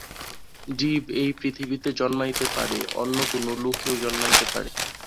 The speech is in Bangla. জীব এই পৃথিবীতে জন্মাইতে পারে, অন্য কোন লোকেও জন্মাইতে পারে।